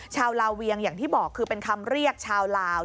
ชาวลาเวียงอย่างที่บอกคือเป็นคำเรียกชาวลาว